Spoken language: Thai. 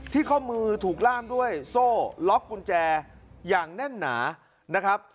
ข้อมือถูกล่ามด้วยโซ่ล็อกกุญแจอย่างแน่นหนานะครับ